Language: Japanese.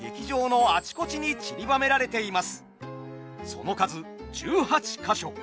その数１８か所。